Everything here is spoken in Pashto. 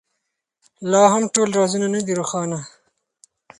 لا هم ټول رازونه نه دي روښانه.